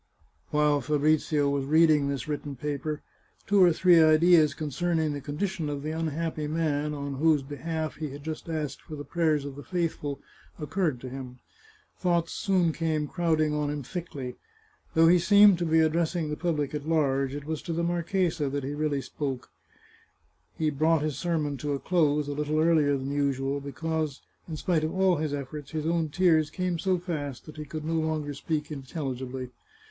While Fabrizio was reading this written paper, two or three ideas concerning the condition of the unhappy man on whose behalf he had just asked for the prayers of the faith ful, occurred to him. Thoughts soon came crowding on him thickly. Though he seemed to be addressing the pub lic at large, it was to the marchesa that he really spoke. He brought his sermon to a close a little earlier than usual, be cause, in spite of all his eflforts, his own tears came so fast that he could no longer speak intelligibly.